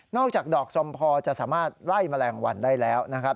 อกจากดอกสมพอจะสามารถไล่แมลงวันได้แล้วนะครับ